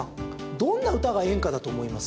どんな歌が演歌だと思います？